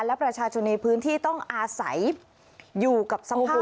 และประชาชนในพื้นที่ต้องอาศัยอยู่กับสภาพ